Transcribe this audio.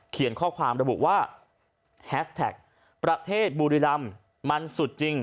ข้อความระบุว่าแฮสแท็กประเทศบุรีรำมันสุดจริง